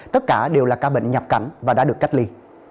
tất cả đều là ca bệnh nhập cảnh và đã được cách ly